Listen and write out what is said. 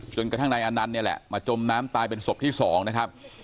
กระทั่งนายอนันต์เนี่ยแหละมาจมน้ำตายเป็นศพที่๒นะครับ